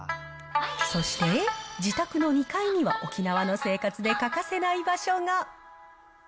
そして、自宅の２階には、沖縄の生活で欠かせない場所が。